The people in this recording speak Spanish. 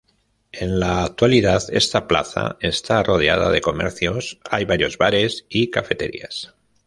En la actualidad esta plaza está rodeada de comercios, hay varios bares y cafeterías.